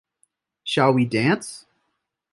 Shall We Dance?